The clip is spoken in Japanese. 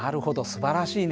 すばらしいね。